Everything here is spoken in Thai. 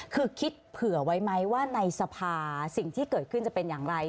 คือคิดเผื่อไว้ไหมว่าในสภาสิ่งที่เกิดขึ้นจะเป็นอย่างไร